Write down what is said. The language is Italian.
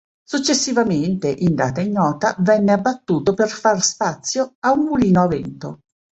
Successivamente, in data ignota, venne abbattuto per far spazio a un mulino a vento.